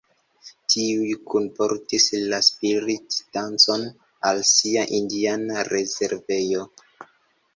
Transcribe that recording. Tiuj kunportis la spirit-dancon al sia indiana rezervejo.